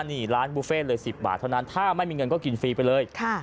นี่ร้านบุฟเฟ่เลย๑๐บาทเท่านั้นถ้าไม่มีเงินก็กินฟรีไปเลย